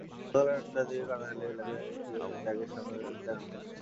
গতকাল রাত আটটার দিকে কাটাখালী এলাকায় ট্রাকটির সামনের একটি চাকা ফেটে যায়।